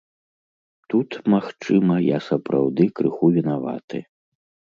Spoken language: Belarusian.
Тут, магчыма, я сапраўды крыху вінаваты.